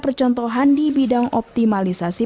percontohan di bidang optimalisasi